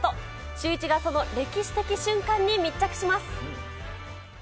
シューイチが、その歴史的瞬間に密着します。